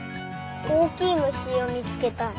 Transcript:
おおきいむしをみつけたい。